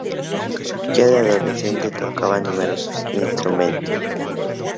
Ya de adolescente tocaba numerosos instrumentos.